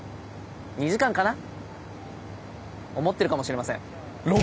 ２時間かな？」思ってるかもしれません。